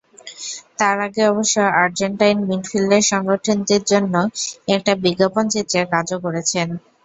তার আগে অবশ্য আর্জেন্টাইন মিডফিল্ডার সংগঠনটির জন্য একটা বিজ্ঞাপনচিত্রে কাজও করেছেন।